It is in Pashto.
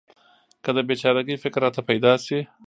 که د بې چاره ګۍ فکر راته پیدا شي.